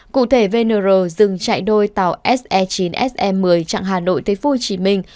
cụ thể venero dừng chạy đôi tàu se chín se một mươi chặng hà nội thế phú hồ chí minh